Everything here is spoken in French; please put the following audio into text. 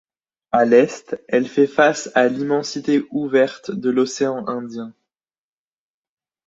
À l'est, elle fait face à l'immensité ouverte de l'océan Indien.